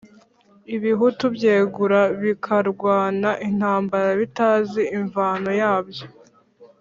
ibihutu byegura bikarwana intambara bitazi imvano yabyo…”